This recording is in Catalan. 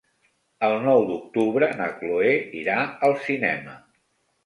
El nou d'octubre na Chloé irà al cinema.